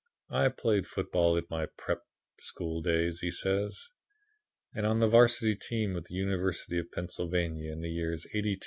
"I played football in my prep. school days," he says, "and on the 'Varsity teams of the University of Pennsylvania in the years '82 '83 '84.